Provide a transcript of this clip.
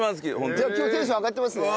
じゃあ今日テンション上がってますね？